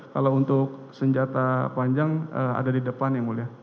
kalau untuk senjata panjang ada di depan yang mulia